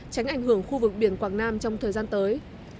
tránh ảnh hưởng khu vực biển quảng nam trong thời gian tới